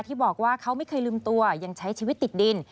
ที่บอกว่าเขาไม่เคยลืมตัวยังใช้ชีวิตติดดิน